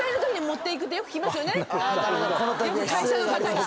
よく会社の方が。